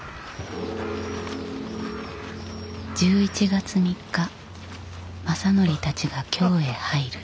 １１月３日政範たちが京へ入る。